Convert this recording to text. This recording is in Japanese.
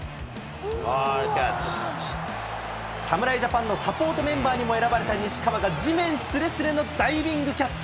侍ジャパンのサポートメンバーにも選ばれた西川が地面すれすれのダイビングキャッチ。